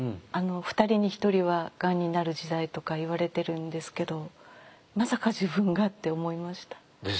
２人に１人はがんになる時代とかいわれてるんですけどまさか自分がって思いました。ですよね？